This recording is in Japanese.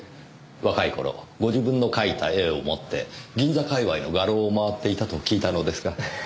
若い頃ご自分の描いた絵を持って銀座界隈の画廊を回っていたと聞いたのですが。